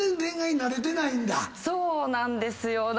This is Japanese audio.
そうなんですよ。